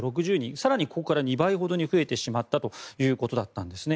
更にここから２倍ほどに増えてしまったということだったんですね。